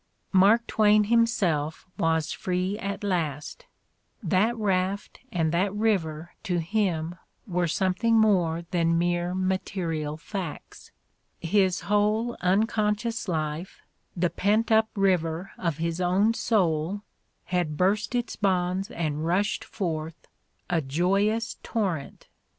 Mark Twain himself was free at last !— that raft and that river to him were some thing more than mere material facts. His whole uncon scious life, the pent up river of his own soul, had burst its bonds and rushed forth, a joyous torrent!